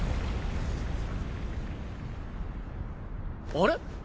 あれ？